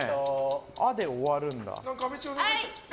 「あ」で終わるんだ。